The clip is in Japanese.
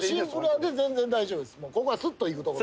ここはスッといくところ。